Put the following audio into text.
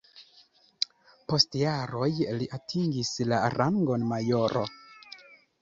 Post jaroj li atingis la rangon majoro.